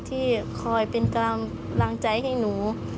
ที่คอยเป็นกำลังใจให้หนู